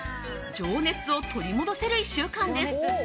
情熱を取り戻せる１週間です。